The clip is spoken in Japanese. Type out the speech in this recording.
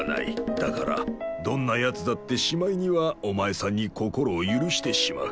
だからどんなやつだってしまいにはお前さんに心を許してしまう。